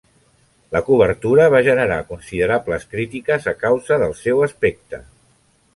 La cobertura va generar considerables crítiques a causa del seu aspecte.